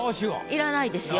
いらないですよ。